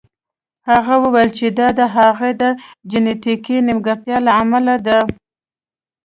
هغه وویل چې دا د هغه د جینیتیکي نیمګړتیا له امله ده